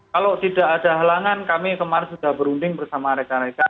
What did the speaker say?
kalau tidak ada halangan kami kemarin sudah berunding bersama rekan rekan